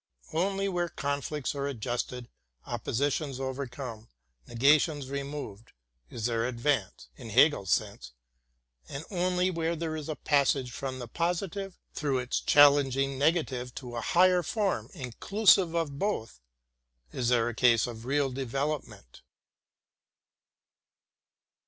Only where conflicts are adjusted, oppositions overcome, negations removed, is there advance, in Hegel's sense; and only where there is a passage from the positive through its challenging negative to a higher form inclusive of both is there a case of real development.